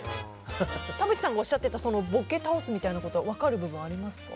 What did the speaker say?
田渕さんがおっしゃっていたボケ倒すみたいな部分分かる部分、ありますか？